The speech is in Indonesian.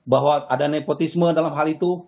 bahwa ada nepotisme dalam hal itu